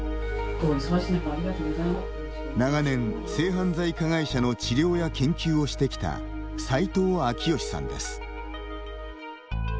長年、性犯罪加害者の治療や研究をしてきた斉藤章佳さんです。